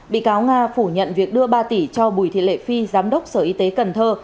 bị cáo nga phủ nhận việc đưa ba tỷ cho bùi thị lệ phi giám đốc sở y tế cần thơ